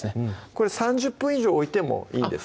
これ３０分以上置いてもいいんですか？